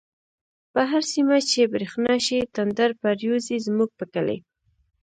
په هر سيمه چی بريښنا شی، تندر پر يوزی زموږ په کلی